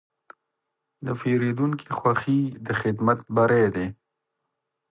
د پیرودونکي خوښي د خدمت بری دی.